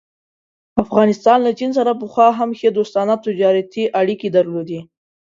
افغانستان له چین سره پخوا هم ښې دوستانه تجارتي اړيکې درلودلې.